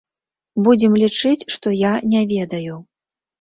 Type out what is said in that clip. Будзем лічыць, што я не ведаю.